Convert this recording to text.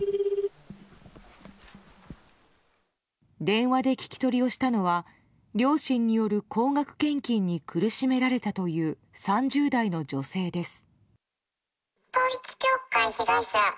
電話で聞き取りをしたのは両親による高額献金に苦しめられたという３０代の女性です。